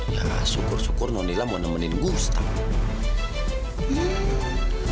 ya syukur syukur nonila mau nemenin goosta